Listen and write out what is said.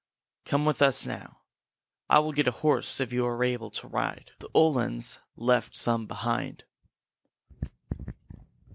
Come with us now. I will get you a horse if you are able to ride. The Uhlans left some behind!"